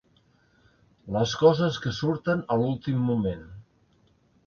Les coses que surten a l'últim moment!